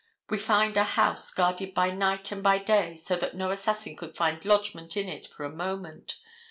We find a house guarded by night and by day so that no assassin could find lodgment in it for a moment.